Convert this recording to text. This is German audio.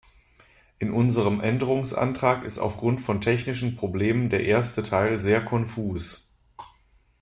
In unserem Änderungsantrag ist aufgrund von technischen Problemen der erste Teil sehr konfus.